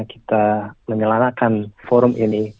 kita menyelanakan forum ini